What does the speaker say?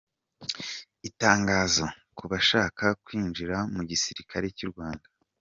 Itangazo ku bashaka kwinjira mu gisirikare cy’u Rwanda.